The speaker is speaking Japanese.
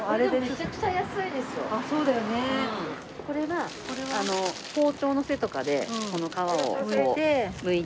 これは包丁の背とかでこの皮をこうむいて。